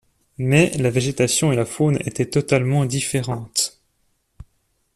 Mais la végétation et la faune étaient totalement différentes.